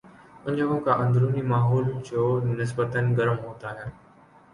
ان جگہوں کا اندرونی ماحول جو نسبتا گرم ہوتا ہے